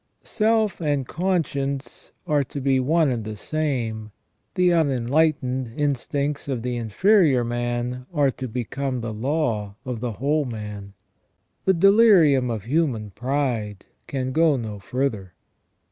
Self and conscience are to be one and the same ; the unenlightened instincts of the inferior man are to become the law of the whole man. The delirium of human pride can go no further.